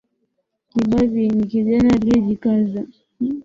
Kibabi ni kijana aliyejikaza